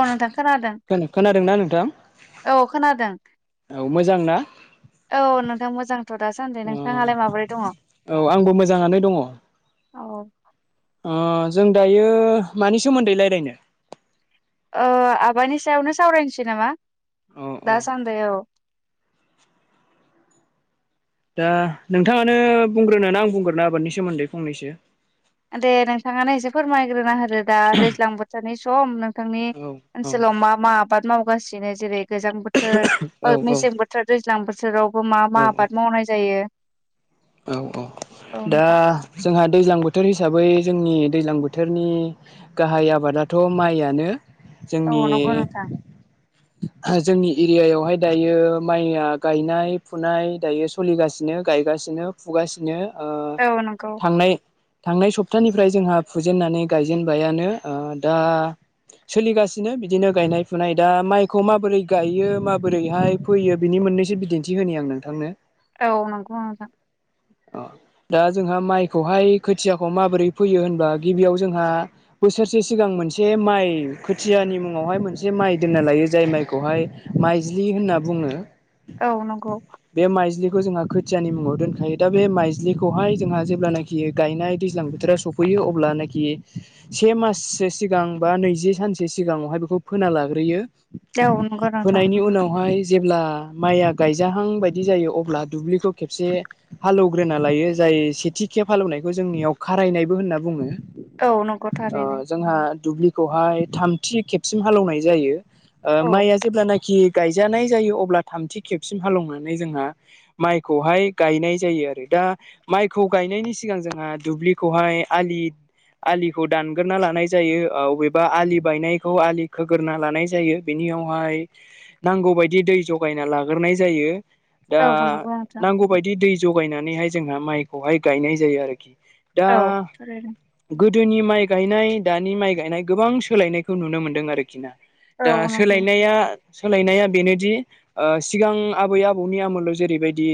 औ नोंथां खोनादों खोन खोनादोंना नोंथां? औ खोनादों। औ मोजां ना औ नोंथां मोजांथ' दासान्दि नोंथांआलाय माबोरै दङ'? औ आंबो मोजांआनो दङ'। औ ओ जों दायो मानि सोमोन्दै रायलायनो? ओ आबादनि सायावनो सावरायनोसै नामा अ अ दासान्दै औ। दा नोंथाङानो बुंग्रोनो ना आं बुंग्रोनो आबादनि सोमोन्दै फंनैसो? दे नोंथाङानो एसे फोरमायग्रोना होदो दा दैज्लां बोथोरनि सम नों थांनि औ औ ओनसोलाव मा मा आबाद मावगासिनो जेरै गोजां बोथोर ओ औ मेसें बोथोर दैज्लां बोथोरावबो मा औ मा आबाद मावनाय जायो। औ औ औ दा नोंथां जोंहा दैज्लां बोथोर हिसाबै जोंनि दैज्लां बोथोरनि गाहाय आबादाथ' माइयानो। औ जोंनि नोंगौ नोंथां। जोंनि एरियायावहाय दायो माइया गायनाय फुनाय दायो सलिगासिनो गायगासिनो। फुगासिनो ओ औ नंगौ थांनाय थांनाय सप्तानिफ्राय जोंहा फुजेनन्नानै गायजेनबायानो ओ दा सोलिगासिनो बिदिनो गायनाय फुनाय दा माइखौ माबोरै गायो माबोरैहाय फैयो बिनि मोन नैसो बिदिन्थि होनि आं नोंथांनो। औ नंगौ नोंथां। अ दा जोंहा माइखौहाय खोथियाखौ माबोरै फैयो होनबा गिबियाव जोंहा बोसोरसे सिगां मोनसे माइ खोथियानि मुङावहाय मोनसे माइ दोनना लायो जाय माइखौहाय माइज्लि होनना बुङो। औ नंगौ। बेखौ जोंहा खोथियानि मुुंआव दोन खायो दा बे माइज्लिखौहाय जोंहा जेब्लानाखि गायनाय दैज्लां बोथोरा सफैयो अब्लानाखि से माससो सिगां बा नैजि सानसो सिगाङावहाय बेखौ फोना लाग्रोयो। औ नंगौ नोंथां फोनायनि उनावहाय जेब्ला माइया गायजाहां बायदि जायो अब्ला दुब्लिखौ खेबसे हालौग्रोना लायो जाय सेथि खेब हालौनायखौ जोंनियाव खारायनायबो होनना बुङो। औ नंगौ ओ थारैनो जोंहा दुब्लिखौहाय थामथि खेबसिम हालौवनाय जायो। ओ औ माइआ जेब्लानाखि गायजानाय जायो अब्ला थामथि खेबसिम हालएवनानै जोंहा माइखौहाय गायनाय जायो आरो दा माइखौ गायनायनि सिगां जोंहा दुब्लिखौहाय आलि आलिखौ दानग्रोना लानाय जायो। अबेबा आलि बायनायखौ आलि खोग्रा लानाय जायो। बिनि यावहाय नांगौ बायदि दै जगायना लागोरनाय जायो। दा औ नंगौ नोंथां नांगौबायदि दै जगायनानैहाय जोंहा माइखौहाय गायनाय जायो आरोखि। दा औ थारैनो गो दोनि माइ गायनाय, दानि माइ गायनाय, गोबां सोलायनायखौ नुनो मोन्दों आरोखि ना। औ दा नंगौ सोलायनाया सोलायनाया बेनोदि, ओ सिगां आबै आबौनि आमोलाव जेरैबायदि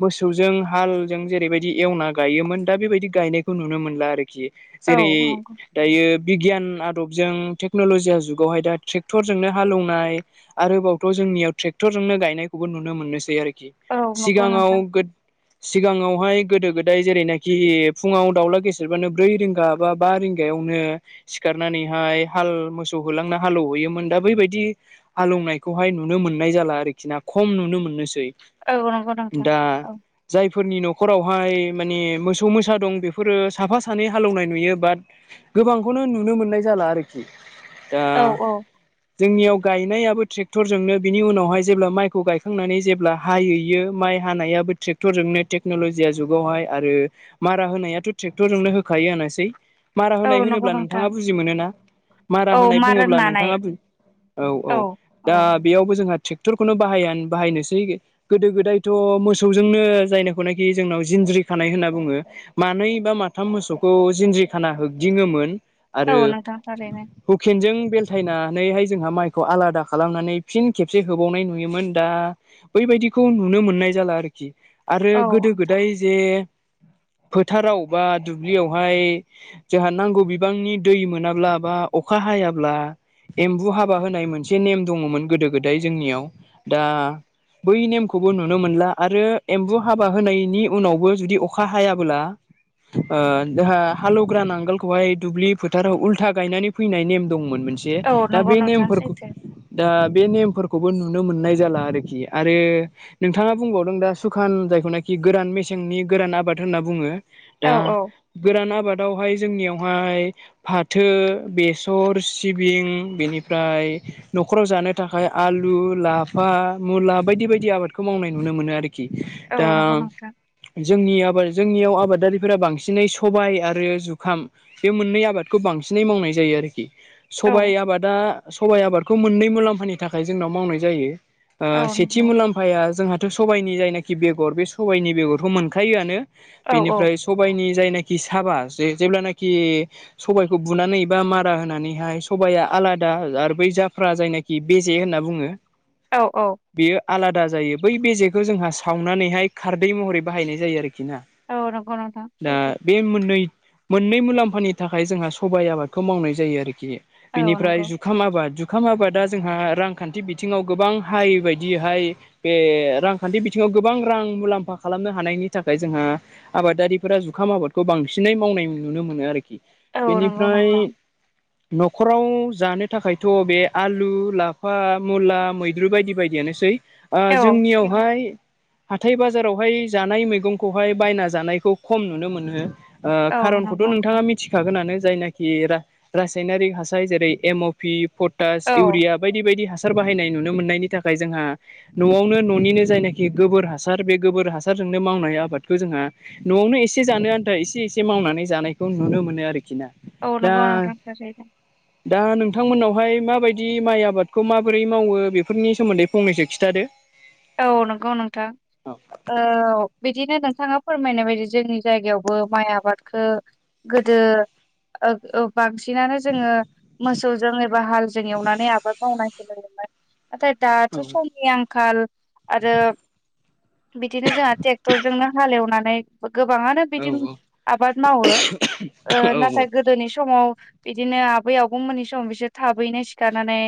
मोस सौजों हालजों जेरैबायदि एवना गायोमोन, दा बेबायदि गायनायखौ नुनो मोनला आरोखि। औ जेरै नंगौ दायो बिगियान आदबजों टेकनलजिया जुगावहाय दा ट्रेक्टरजोंनो हालौनाय, आरोबावथ' जों जोंनियाव ट्रेक्टरजोंनो गायनायखौबो नुनो मोननोसै आरोखि। औ नंगौ सिगाङाव नोंथां गो सिगाङावहाय गोदो गोदाय जेरैनाखि फुङाव दाउला गेसेेरबानो ब्रै रिंगा बा बा रिं गायावनो सिखारनानैहाय हाल मोसौ होलांना हालौहैयोमोन, दा बै बादि हाल लौनायखौहाय नुनो मोननाय जाला आरोखि ना खम नुनो मोननोसै। औ नंगौ नोंथां दा औ। जायफोरनि नख'रावहाय माने मोसौ मोसा दं बेफोरो साफा सानै हालौनाय नुयो। बाट गोबांखौनो नुनो मोननाय जाला आरोखि। दा औ औ जोंनियाव गायनायाबो ट्रेक्टरजोंनो, बिनि उनावहाय जेब्ला माइखौ गायखांनानै जेब्ला हायैयो, माइ हानायाबो ट्रेक्टरजोंनो टेकन'लजिया जुगावहाय आरो मारा होनायाथ' ट्रेक्टरजोंनो होखायो होनोसै। मारा औ होनाय नंगौ होनोब्ला नोंथां नोंथाङा बुजि मोनो ना? मारा औ होनाय मार बुङोब्ला होननानै नोंथाङा बु औ औ। औ दा बेयावबो जोंहा ट्रेक्टरखौनो बाहायान बाहायनोसै। गोदो गोदायथ' मोस सौजोंनो जायनोखौनाखि जोंनाव जिनज्रि खानाय होनना बुङो। मानै बा माथाम मोसौखौ जिनज्रि खाना होगदिङोमोन औ आरो नोंथां थारैनो हुखेनजों बेलथायनानै हाय जोंहा माइखौ आलादा खालामनानै फिन खेबसे होबावनाय नुयोमोन, दा बै बायदिखौ नुनो मोननाय जाला आरोखि आरो औ गोदो नोंथां गोदाय जे [inaudible] फोथाराव बा दुब्लियावहाय जाहा नांगौ बिबांनि दै मोनाब्ला बा अखा हायाब्ला, एम्बु हाबा होनाय मोनसे नेम दङमोन गोदो गोदाय जोंनियाव। दा बै नेमखौबो नुनो मोनला। आरो एम्बु हाबा होनायनि उनावबो जुदि अखा हायाबोला ओ [unintelligible] हा हालौग्रा नांगोलखौहाय दुब्लि फोथाराव उल्था गायनानै फैनाय नेम दंमोन। मोनसे औ दा नंगौ बे नोंथां नेमफोरखौ सैथो दा बे नेमफोरखौबो नुनो मोननाय जाला आरोखि आरो नोंथाङा बुंबाव नों दा सुखान जायखौनाखि गोरान मेसेंनि गोरान आबाद होनना बुङो। औ दा औ गोरान आबाद दावहाय जोंनियावहाय फाथो, बेसर, सिबिं बेनिफ्राय नख'राव जानो थाखाय आलु, लाफा, मुला बायदि बायदि आबादखौ मावनाय नुनो मोनो आ खि औ दा नंगौ नोंथां जोंनि आबाद जोंनियाव आबादारिफोरा बांसिनै सबाइ आरो जुखाम, बे मोननै आबादखौ बांसिनै मावनाय जायो आरोखि। औ सबाइ आबादा सबाइ आबादखौ मोननै मुलाम्फानि थाखाय जोंनाव मावनाय जायो। ओ औ सेथि नंगौ मुलाम्फाया जोंहाथ' सबाय नि जायनाखि बेगर बे सबायनि बेगरखौ मोनखायोआनो। औ औ बेनिफ्राय सबायाइनि जायनाखि साबा जे जेब्लानाखि सबाइखौ बुनानै बा मारा होनानैहाय सबाया आलादा आरो बै जाफ्रा जायनाखि बेजे होनना बुङो, औ औ बेयो आलादा जायो। बै बेेजे खौ जोंहा सावनानैहाय खारदै महरै बाहायनाय जायो आरो खिना। औ नंगौ नोंथां दा सैथो बे मोननै मोननै मुलाम्फानि थाखाय जोंहा सबाइ आबादखौ मावनाय जायो आरोखि। औ बेनिफ्राय नंगौ जुखाम आबाद जु जुखाम आबादा जोंहा रांखान्थि बिथिङाव गोबां हाय बायदि हाय बे रां खान्थि बिथिङाव गोबां रां मुलाम्फा खालामनो हानायनि थाखाय जोंहा आबादारिफोरा जुखाम आबादखौ बांसिन नै मावनाय नुनो मोनो आरोखि औ नंगौ बेनिफ्राय नोंथां न'खराव जानो थाखायथ' बे आलु लाफा मुला मैद्रु बायदि बायदियानोसै ओ औ जोंनियाव सैथो थाय हाथाय बाजारावहाय जानाय मैगंखौहाय बायना जानायखौ खम नुनो मोनो ओ औ खारनखौथ' नंगौ नोंथाङा मिथिखागोनानो जायनाखि रा रासायनारिक हासार जेरै एमअपि पटास औ इउरिया बायदि बायदि हासार सार बाहायनाय नुनो मोननायनि थाखाय जोंहा न'आवनो न'निनो जायनाखि गोबोर हासार बे गोबोर हासारजोंनो मावनाय आबादखौ जोंहा न'आवनो एसे जानो आन्था एसे एसे मावनानै जानायखौ नुनो मोनो आरोखि ना औ दा नंगौ नोंथां थारैनो दा नोंथांमोनावहाय माबायदि माइ आबादखौ माबोरै मावो बेफोरनि सोमोन्दै फंनैसो खिन्थादो औ नंगौ नोंथां औ बिदिनो नोंथाङा फोरमायनाय बायदि जोंनि जायगायावबो माइ आबादखौ गोदो ओक औ बांसिनानो जोङो मोसौजों एबा हालजों एवनानै आबाद मावनायखौ नुयोमोन नाथाय दाथ' समनि आंखाल आरो बिदिनो जोंहा ट्रेक्टरजोंनो हालेवनानै गोबाङानो बिदिनो आबाद मावो ओ नाथाय गोदोनि समाव बिदिनो आबै आबौमोननि सम बिसोर थाबैनो सिखारनानै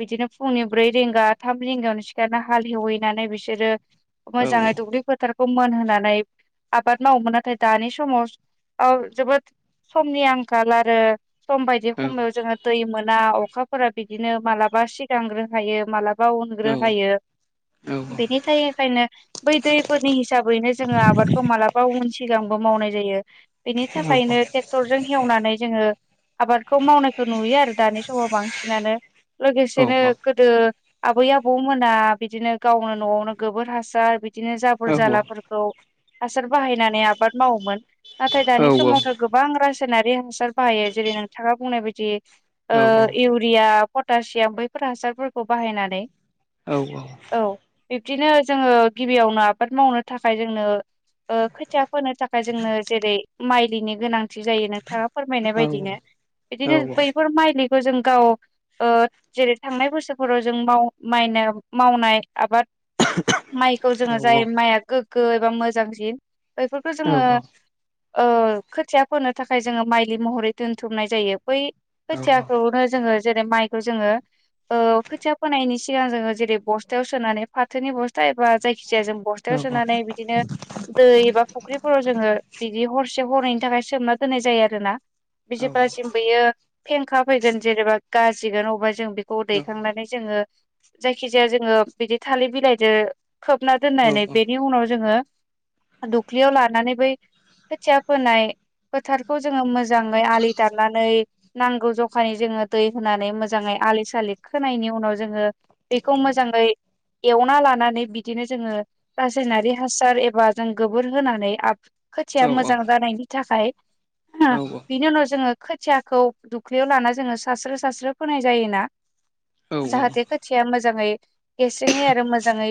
बिदिनो फुंनि ब्रै रिंगा थाम रिंगायावनो सिखारना हाल एवहैनानै बिसोरो मोजाङै दुब्लि फोथार खौ मोन होनानै आबाद मावोमोन नाथाय दानि समाव जोबोद समनि आंखाल आरो सम बायदि समाव जोङो दै मोना अखाफोरा बिदिनो मालाबा सिगांग्रो हायो मालाबा बा उनग्रो हायो बेनि थाखायखायनो बै दैफोरनि हिसाबैनो जोङो आबादखौ मालाबा उन सिगांबो मावनाय जायो बेनि थाखायनो ट्रेक्टरजों एवनानै जोङो आबादखौ मावनायखौ नुयो आरो दानि समाव बांसिनानो लोगोसेनो गोदो आबै आबौ मोना बिदिनो गावनो न'आवनो गोबोर हासार बिदि बिदिनो जाबोर जालाफोरखौ हासार बाहायनानै आबाद मावोमोन नाथाय दानि समावथ' गोबां रासायनारि हासार बाहायो जेरै नोंथाङा बुंनाय बायदि ओ इउरिया पटासियाम बैफोर हासारफोरखौ बाहायनानै औ औ बिब्दिनो जोङो गिबियावनो आबाद मावनो थाखाय जोंनो ओ खोथिया फोनो थाखाय जोंनो जेरै माइलिनि गोनांथि थि जायो नोंथाङा फोरमायनाय बायदिनो बिदिनो बैफोर माइलि खौ जों गाव ओ जेरै थांनाय बोसोरफोराव जों माव माइना मावनाय आबाद माइखौ जोङो जाय माइआ गोग्गो एबा मोजांसिन बेफोरखौ जोङो ओ खोथिया फोनो थाखाय जोङो माइलि महरै दोनथुमनाय जायो बै खोथियाखौनो जोङो जेरै माइ खौ जोङो ओ खोथिया फोनायनि सिगां जोङो जेरै बस्थायाव सोनानै फाथोनि बस्थाया जायखि जाया जों बस्थायाव सोनानै बिदिनो दै एबा फुख्रिफोराव जोङो बिदि हरसे से हरनि थाखाय सोमना दोननाय जायो आरो ना जेब्लासिम बेयो फेंखा फैगोन जेनेबा गाजिगोन अबेबा जों बेखौ दैखांनानै जोङो जायखिजाया जाया जोङो बिदि थालिर बिलाइजों खोबना दोननानै बेनि उनाव जोङो दख्लियाव लानानै बै खोथिया फोनाय फोथारखौ जोङो मो मोजाङै आलि दाननानै नांगौ जखानि जोङो दै होनानै मोजाङै आलि सालि खोनायनि उनाव जोङो बेखौ मोजाङै एवना लानानै बिदिनो जोङो रासायनारि हासार एबा जों गोबोर होनानै आ खोथिया मोजां जानायनि थाखाय हा बिनि उनाव जोङो खोथियाखौ दुख्लियाव लाना जोङो सास्रो सास्रो फोनाय जायोना जाहाथे खोथिया मोजाङै गेसेङै आरो मोजाङै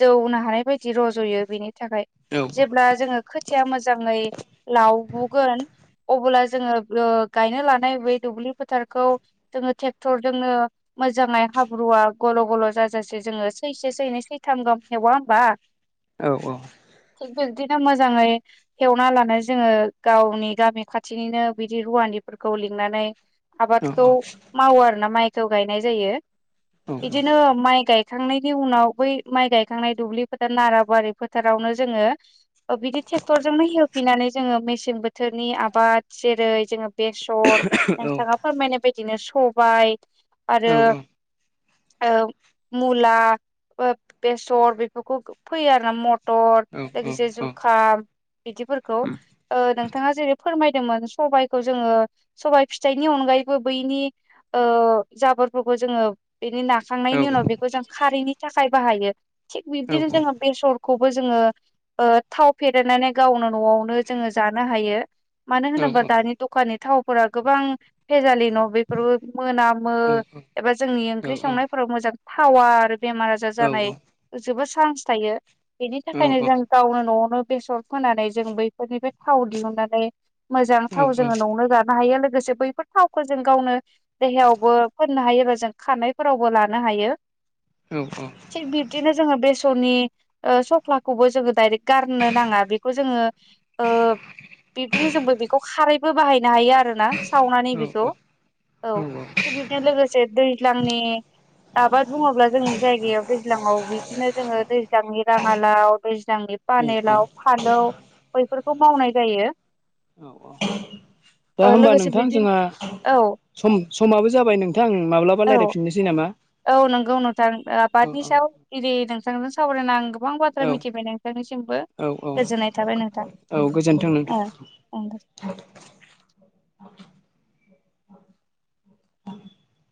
जौनो हानाय बायदि रज'यो बेनि थाखाय जेब्ला जोङो खोथिया मोजाङै लावबोगोन अब्ला जोङो गायनो लानाय बै दुब्लि फोथारखौ जोङो ट्रेक्टरजोंनो मोजाङै हाब्रुआ गल' गल' जाजासेै जोङो सैसे सैनै सैथाम गाहाम हेवा होमबा औ औ बिदिनो मोजाङै एवना लानाय जोङो गावनि गामि खाथिनिनो बिदि हुवानिफ्राय फोरखौ लिंनानै आबादखौ मावो आरोना माइखौ गायनाय जायो बिदिनो माइ गाय गायखांनायनि उनाव बै माइ गायखांनाय दुब्लि फोथार नाराबवारि फोथारावनो जोङो बिदि ट्रेक्टरजोंनो हेवफैनानै जोङो मेसें बोथोरनि आबाद जेरै जोङो बेसर नोंथाङा फोरमायनाय बायदिनो सबाय आरो ओ मुला बेसर बेफोरखौ फैयो आरो ना मथ द लोगोसे जुखाम बिदिफोरखौ ओ नोंथाङा जेरै फोरमायदोंमोन सबाइखौ जोङो सबाइ फिथाइनि अनगायैबो बैनि ओ जाबोरफोरखौ जोङो बेनि नाखांनायनि उनाव बेखौ जों खारैनि थाखाय बाहायो थिग बिबदिनो जोङो बेसर खौबो जोङो थाव फेरनानै गावनो न'आवनो जोङो जानो हायो मानो होनोबा दानि दखाननि थावफोरा गोबां भेजालि न' बेफोरबो मोनामो एबा जोंनि औ ओंख्रि औ संनायफोराव मोजां थावा बेमार आजार जानाय जोबोद चान्स थायो बेनि औ थाखायनो जों गावनो न'आव बेसर फोनानै जों बैफोरनिफ्राय थाव दिहुननानै मोजां थाव जोङो न'नो गानो हायो लोगो लोगोसे बैफोर थावखौ जों गावनो देहायावबो फोननो हायोबा जों खारानायफोरावबो लानो हायो औ थिग बिबदिनो जोङो बे स'नि सफ्लाखौबो जोङो डाइरेक्ट गारनो नाङा बेखौ जोङो ओ बिब्दिनो जोंबो बेखौ खारैबो बाहायनो हायो आरो आरोना सावनानै बेखौ औ थिग बिनो लोगोसे दैज्लांनि आबाद बुङोब्ला जोंनि जायगायाव दैज्लङाव बिदिनो जोङो दैज्लांनि राङालाव दैज्लांनि औ पानेलाव फालौ बैफोरखौ मावनाय जायो औ औ दा ओ होमबा लोगोसे नोंथां बिब्दि जोंहा औ सम समाबो जाबाय नोंथां माब्लाबा औ रायज्लायफिननोसै नामा औ नंगौ नोंथां औ आबादनि औ सायाव इदि नोंथांजों सावरायनाांगौ गोबां बाथ्रा औ मिथिबाय नोंथांनिसिमबो औ औ गोजोननाय थाबाय नोंथां औ गोजोन्थों नोंथां। ओंगो